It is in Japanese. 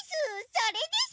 それです！